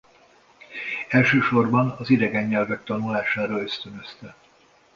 Elsősorban az idegen nyelvek tanulására ösztönözte.